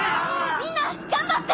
みんな頑張って！